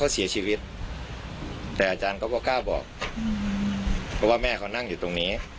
เสียชีวิตแต่อาจารย์เขาก็กล้าบอกเพราะว่าแม่เขานั่งอยู่ตรงนี้